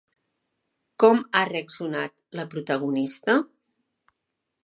Com ha reaccionat la protagonista?